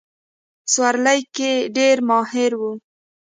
سورلۍ کې ډېر ماهر وو.